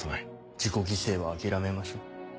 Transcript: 自己犠牲は諦めましょう。